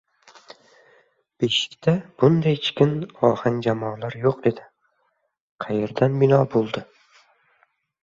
Beshikda bundaychikin ohangjamolar yo‘q edi — qayerdan bino bo‘ldi?